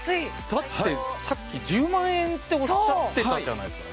だってさっき１０万円っておっしゃってたじゃないすか